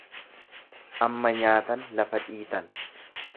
Amma nyaatan lafa dhiitan.